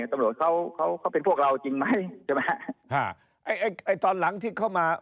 ตำรวจเขาเขาเป็นพวกเราจริงไหมใช่ไหมฮะไอ้ไอ้ไอ้ตอนหลังที่เข้ามา